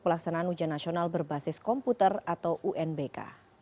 pelaksanaan ujian nasional berbasis komputer atau unbk